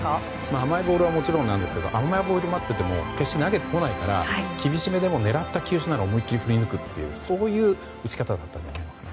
甘いボールはもちろんですが甘いボール待ってても決して投げてこないから厳しめでも狙った球種なら思いっきり振り抜くっていう打ち方だったんじゃないかと。